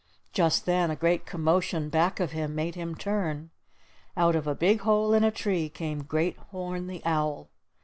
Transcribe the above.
Just then a great commotion back of him made him turn. Out of a big hole in a tree came Great Horn the Owl.